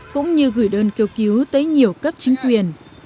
cũng như gửi đơn kêu cứu tới nhiều cấp chính quyền